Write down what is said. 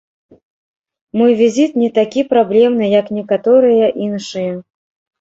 Мой візіт не такі праблемны, як некаторыя іншыя.